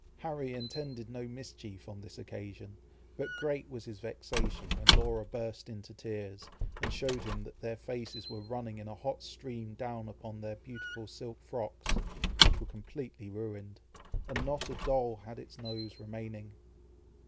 Harry intended no mischief on this occasion, but great was his vexation when Laura burst into tears, and showed him that their faces were running in a hot stream down upon their beautiful silk frocks, which were completely ruined, and not a doll had its nose remaining.